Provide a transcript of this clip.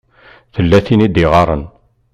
Tella tin i d-iɣaṛen.